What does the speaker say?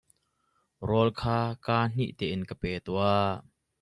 Rawl kha kaa hnih tein ka pe tuah.